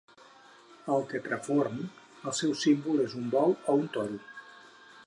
Al Tetramorf, el seu símbol és un bou o un toro.